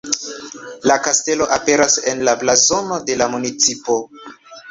La kastelo aperas en la blazono de la municipo.